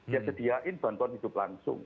ya sediain bantuan hidup langsung